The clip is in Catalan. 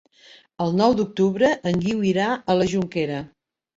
El nou d'octubre en Guiu irà a la Jonquera.